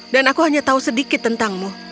dan aku hanya tahu sedikit tentangmu